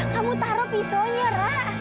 kamu taruh pisaunya ra